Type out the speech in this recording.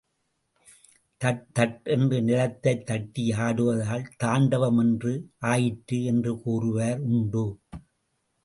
That தட் என்று நிலத்தைத் தட்டி ஆடுவதால் தாண்டவம் என்று ஆயிற்று என்று கூறுவார் உண்டு.